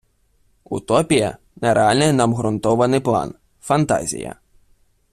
Утопія — нереальний необгрунтований план, фантазія